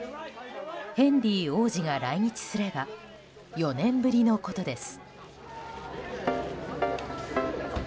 ヘンリー王子が来日すれば４年ぶりのことです。